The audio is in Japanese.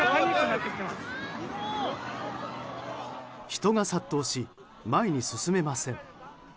人が殺到し、前に進めません。